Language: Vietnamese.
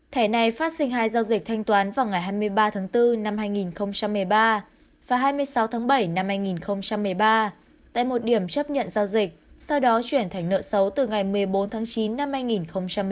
thẻ này phát sinh hai giao dịch thanh toán vào ngày hai mươi ba tháng bốn năm hai nghìn một mươi ba và hai mươi sáu tháng bảy năm hai nghìn một mươi ba tại một điểm chấp nhận giao dịch sau đó chuyển thành nợ xấu từ ngày một mươi bốn tháng chín năm hai nghìn một mươi tám